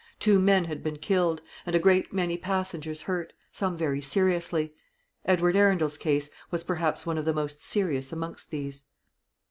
Two men had been killed, and a great many passengers hurt; some very seriously. Edward Arundel's case was perhaps one of the most serious amongst these.